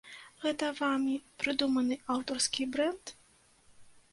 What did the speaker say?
Гэта вамі прыдуманы аўтарскі брэнд?